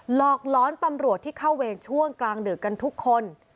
หลอกล้อนตำรวจที่เข้าเวรช่วงกลางดึกกันทุกคน